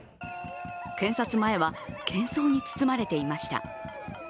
検察前はけん騒に包まれていました。